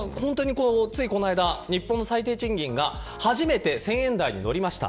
ついこの間、日本の最低賃金が初めて１０００円台に乗りました。